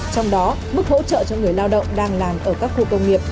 trong đó mức hỗ trợ cho người lao động đang làm ở các khu công nghiệp